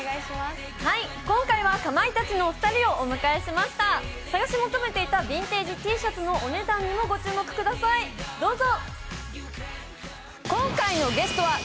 今回はかまいたちのお二人をお迎えしました探し求めていたビンテージＴシャツのお値段にもご注目ください、どうぞ。